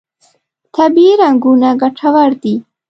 طبیعي رنګونه ګټور دي.